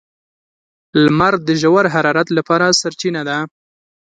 • لمر د ژور حرارت لپاره سرچینه ده.